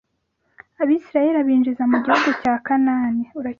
Abisirayeli abinjiza mu gihugu cya Kanani